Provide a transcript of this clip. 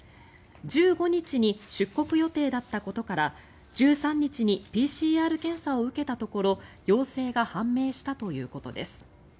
１５日に出国予定だったことから１３日にＰＣＲ検査を受けたところ陽性が判明したということです。